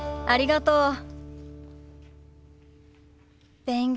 ありがとう。